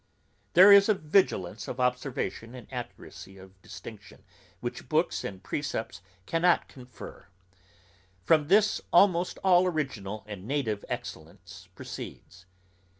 There is a vigilance of observation and accuracy of distinction which books and precepts cannot confer; from this almost all original and native excellence proceeds.